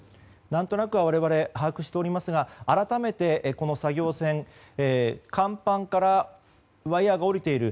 何となく我々把握しておりますが改めて、この作業船甲板からワイヤが下りている。